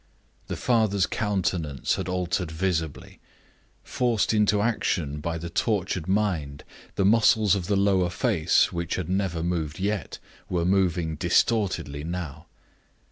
The father's countenance had altered visibly. Forced into action by the tortured mind, the muscles of the lower face, which had never moved yet, were moving distortedly now.